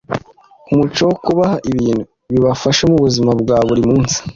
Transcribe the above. umuco wo kubaha ibintu bibafasha mu buzima bwa buri munsi.